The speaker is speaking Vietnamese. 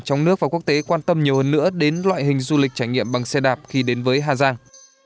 trong nước và quốc tế quan tâm nhiều hơn nữa đến loại hình du lịch trải nghiệm bằng xe đạp khi đến với hà giang